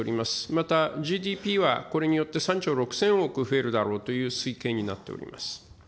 またＧＤＰは、これによって３兆６０００億増えるだろうという推計になっています。